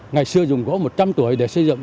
ngày xưa dùng gỗ một trăm linh tuổi để xây dựng